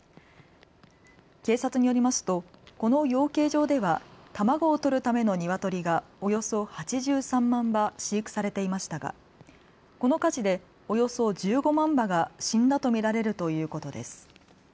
警察によりますとこの養鶏場では卵を取るための鶏がおよそ８３万羽飼育されていましたがこの火事でおよそ１５万羽が死んだと見られるということです。